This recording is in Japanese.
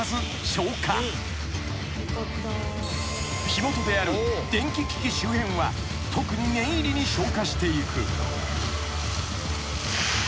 ［火元である電気機器周辺は特に念入りに消火していく］